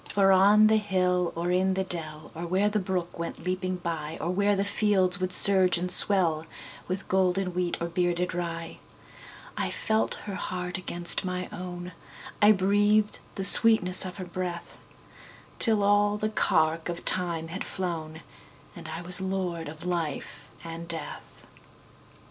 For on the hill or in the dell, Or where the brook went leaping byOr where the fields would surge and swellWith golden wheat or bearded rye,I felt her heart against my own,I breathed the sweetness of her breath, Till all the cark of time had flown, And I was lord of life and death.